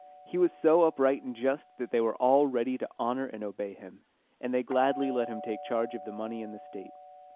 He was so upright and just that all were ready to honor and obey him, and they gladly let him take charge of the money of the state.